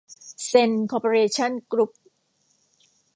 เซ็น คอร์ปอเรชั่น กรุ๊ป